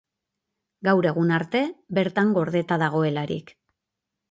Gaur egun arte bertan gordeta dagoelarik.